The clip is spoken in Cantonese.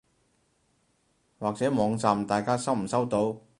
或者網站大家收唔收到？